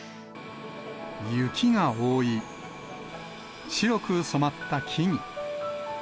雪が覆い、白く染まった木々。